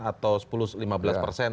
atau sepuluh lima belas persen